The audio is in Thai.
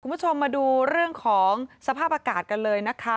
คุณผู้ชมมาดูเรื่องของสภาพอากาศกันเลยนะคะ